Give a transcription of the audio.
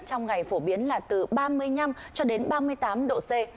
trong ngày phổ biến là từ ba mươi năm cho đến ba mươi tám độ c